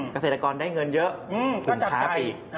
เกษตรกรได้เงินเยอะกลุ่มค้าปี